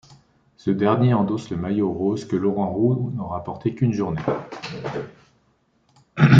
Ce dernier endosse le Maillot Rose que Laurent Roux n'aura porté qu'une journée.